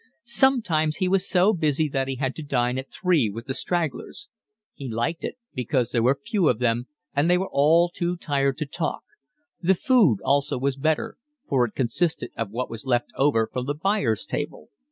Sometimes he was so busy that he had to dine at three with the 'stragglers.' He liked it, because there were few of them and they were all too tired to talk; the food also was better, for it consisted of what was left over from the buyers' table.